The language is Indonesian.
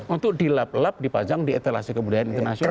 untuk dilap lap dipajang di etalasi kebudayaan internasional